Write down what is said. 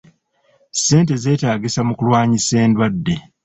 Ssente zeetaagisa mu kulwanyisa endwadde.